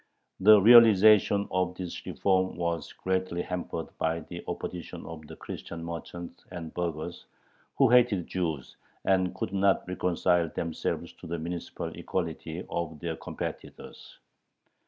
The realization of this reform was greatly hampered by the opposition of the Christian merchants and burghers, who hated the Jews, and could not reconcile themselves to the municipal equality of their competitors.